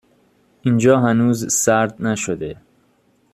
اینجا هنوز سرد نشده